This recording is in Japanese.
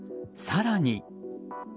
更に。